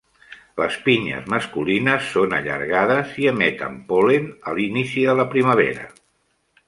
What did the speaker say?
Les pinyes masculines són allargades i emeten pol·len a l'inici de la primavera.